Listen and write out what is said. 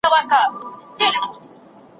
پښې او غاړي په تارونو کي تړلي